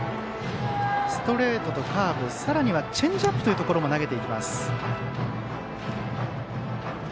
ストレートとカーブさらにはチェンジアップも投げていきます。